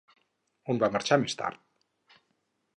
On va marxar més tard?